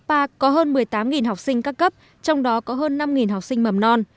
pa có hơn một mươi tám học sinh các cấp trong đó có hơn năm học sinh mầm non